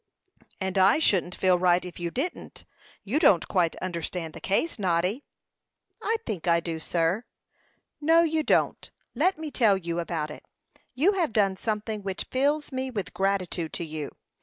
"And I shouldn't feel right if you didn't. You don't quite understand the case, Noddy." "I think I do, sir." "No, you don't. Let me tell you about it. You have done something which fills me with gratitude to you.